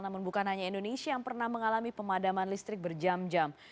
namun bukan hanya indonesia yang pernah mengalami pemadaman listrik berjam jam